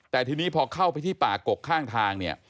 แต่ทีนี้พอเข้าไปที่ป่ากกข้างทางเนี่ย